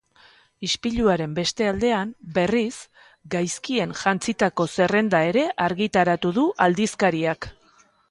Ispiluaren beste aldean, berriz, gaizkien jantzitako zerrenda ere argitaratu du aldizkariak.